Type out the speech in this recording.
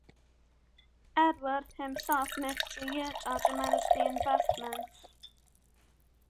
Edward himself moved to Utah to manage the investments.